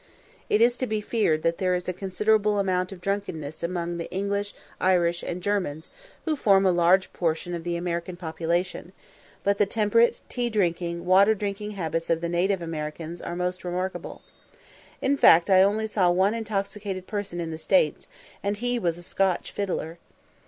It is to be feared that there is a considerable amount of drunkenness among the English, Irish, and Germans, who form a large portion of the American population; but the temperate, tea drinking, water drinking habits of the native Americans are most remarkable. In fact, I only saw one intoxicated person in the States, and he was a Scotch fiddler.